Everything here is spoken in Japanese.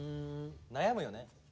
悩むよね。